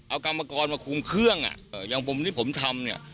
เอากรรมกรมาคุมเครื่องอย่างที่ผมทำ